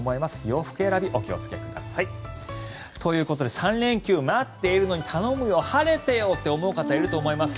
洋服選び、お気をつけください。ということで３連休待っているのに頼むよ、晴れてよと思う方いると思います。